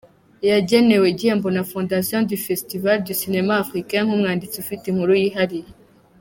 Yagenewe igihembo na Fondation du Festival du Cinéma Africain nk’umwanditsi ufite inkuru yihariye.